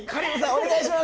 お願いします。